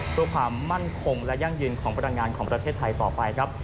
เพื่อความมั่นคงและยั่งยืนของพลังงานของประเทศไทยต่อไปครับ